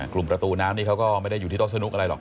กลุ่มประตูน้ำนี่เขาก็ไม่ได้อยู่ที่โต๊ะสนุกอะไรหรอก